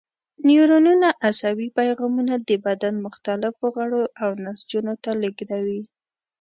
نیورونونه عصبي پیغامونه د بدن مختلفو غړو او نسجونو ته لېږدوي.